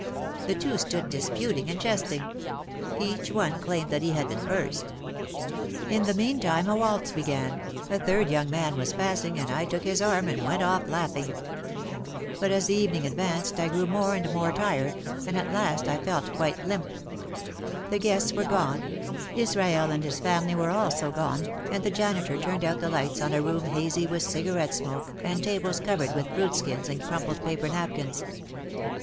The two stood disputing and jesting. Each one claimed that he had been first. In the meantime a waltz began, a third young man was passing and I took his arm and went off laughing. But as the evening advanced I grew more and more tired and at last I felt quite limp. The guests were gone, Israel and his family were also gone, and the janitor turned out the lights on a room hazy with cigarette smoke and tables covered with fruit skins and crumpled paper napkins.